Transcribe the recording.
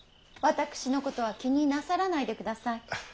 私のことは気になさらないでください。